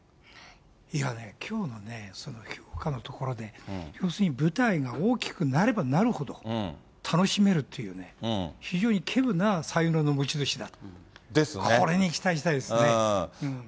いやね、きょうのね、ほかのところで、要するに、舞台が大きくなればなるほど楽しめるっていう、非常に希有な才能の持ち主だと、これに期待したいですね。